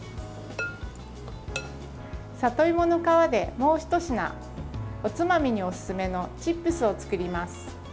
サトイモの皮で、もうひと品おつまみにおすすめのチップスを作ります。